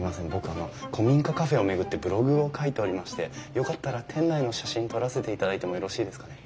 あの古民家カフェを巡ってブログを書いておりましてよかったら店内の写真撮らせていただいてもよろしいですかね？